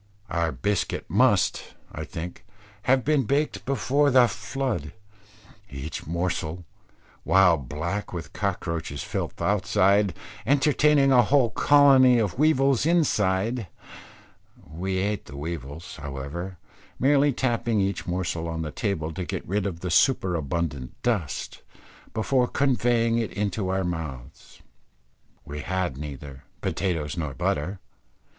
Our biscuit must, I think, have been baked before the flood, each morsel, while black with cockroaches' filth outside, entertaining a whole colony of weevils inside; we ate the weevils, however, merely tapping each morsel on the table to get rid of the superabundant dust, before conveying it to our mouths. We had neither potatoes nor butter.